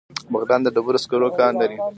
بغلان د ډبرو سکرو کان لري